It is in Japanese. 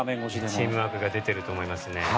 チームワークが出てると思います。